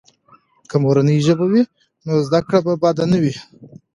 که مورنۍ ژبه وي، نو زده کړه به بده نه وي.